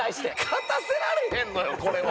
勝たせられへんのよこれは。